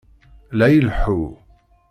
La ileḥḥu.